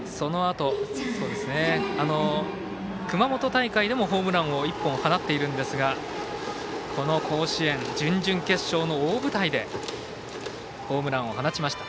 熊本大会でもホームランを１本放っているんですがこの甲子園、準々決勝の大舞台でホームランを放ちました。